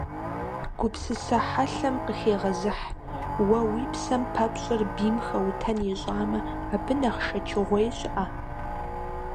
Гупсысэ хьэлъэм къыхегъэзыхь: уэ уи псэм пэпщӀыр бийм хэутэн ищӀамэ, абы нэхъ шэчыгъуей щыӀэ?!